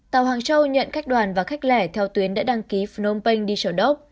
tàu hàng châu nhận khách đoàn và khách lẻ theo tuyến đã đăng ký phnom penh đi chỗ đốc